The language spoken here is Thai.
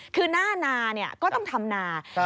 คือหน้านาก็ต้องทำนา